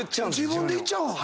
自分で言っちゃうのか？